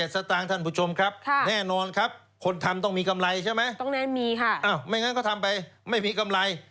สตางค์ท่านผู้ชมครับแน่นอนครับคนทำต้องมีกำไรใช่ไหมมีค่ะไม่งั้นก็ทำไปไม่มีกำไร